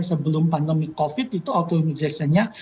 sebelum pandemi covid itu auto rejectionnya